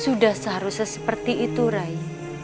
sudah seharusnya seperti itu rai